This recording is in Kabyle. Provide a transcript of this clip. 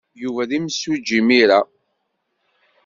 Yuba d imsujji imir-a.